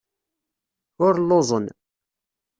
Ur lluẓen.